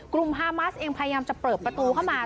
ฮามัสเองพยายามจะเปิดประตูเข้ามา